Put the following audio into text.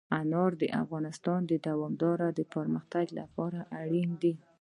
انار د افغانستان د دوامداره پرمختګ لپاره اړین دي.